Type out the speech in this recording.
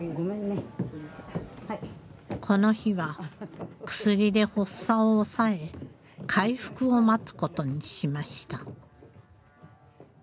この日は薬で発作を抑え回復を待つ事にしました。